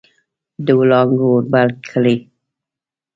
د وړانګو اور بل کړي